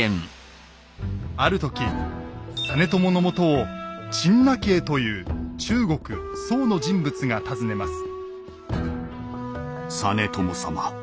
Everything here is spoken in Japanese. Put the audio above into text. ある時実朝のもとを陳和という中国宋の人物が訪ねます。